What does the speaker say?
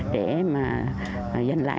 để mà giành lại